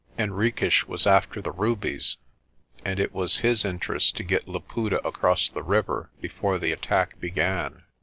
Henriques was after the rubies, and it was his interest to get Laputa across the river before the attack began.